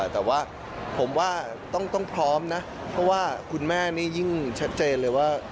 แต่ว่าผมว่าต้องพร้อมนะเพราะว่าคุณแม่นี่ยิ่งชัดเจนเลยว่า